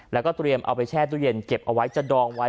แล้วก็เตรียมเอาไปแช่ตู้เย็นเก็บเอาไว้จะดองไว้